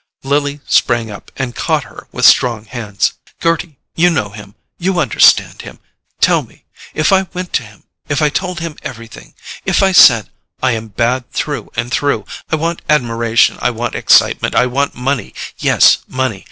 Lily sprang up and caught her with strong hands. "Gerty, you know him—you understand him—tell me; if I went to him, if I told him everything—if I said: 'I am bad through and through—I want admiration, I want excitement, I want money—' yes, MONEY!